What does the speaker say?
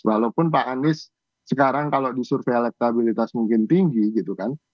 walaupun pak anies sekarang kalau di survei elektabilitas mungkin tinggi gitu kan